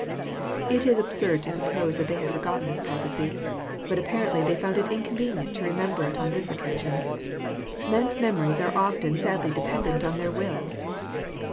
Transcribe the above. It is absurd to suppose that they had forgotten this prophecy. But apparently they found it inconvenient to remember it on this oc casion. Men's memories are often sadly dependent on their wills.